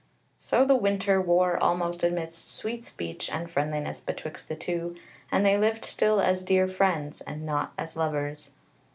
So the winter wore also amidst sweet speech and friendliness betwixt the two, and they lived still as dear friends, and not as lovers.